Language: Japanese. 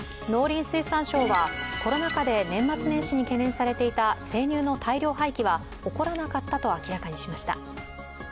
農林水産省は、コロナ禍で年末年始に懸念されていた生乳の大量廃棄は起こらなかったと明らかにしました。